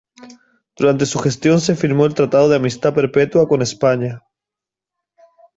Durante su gestión se firmó el Tratado de Amistad Perpetua con España.